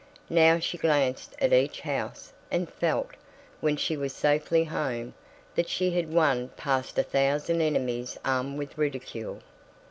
Now she glanced at each house, and felt, when she was safely home, that she had won past a thousand enemies armed with ridicule.